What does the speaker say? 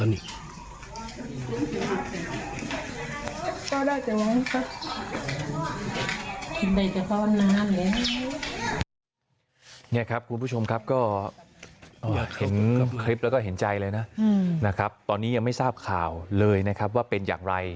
นี่ครับคุณผู้ชมครับก็เห็นคลิปแล้วก็เห็นใจเลยนะนะครับตอนนี้ยังไม่ทราบข่าวเลยนะครับว่าเป็นอย่างไร